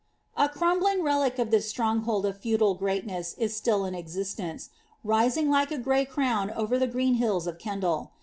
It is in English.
A crumbling relic of this stronghold of feudal greatness is still in ex istence, rising like a grey crown over the green hills of Kendal.